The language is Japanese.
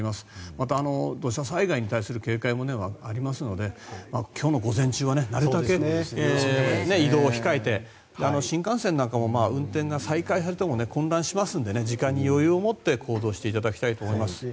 また、土砂災害に対する警戒もありますので今日の午前中はなるたけ移動は控えて新幹線なんかも運転が再開されても混乱しますので時間に余裕を持って行動していただきたいと思います。